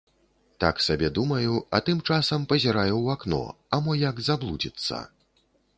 Так сабе думаю, а тым часам пазіраю ў акно, а мо як заблудзіцца.